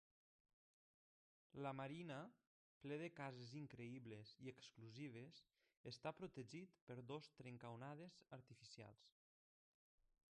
La marina, ple de cases increïbles i exclusives, està protegit per dos trencaonades artificials.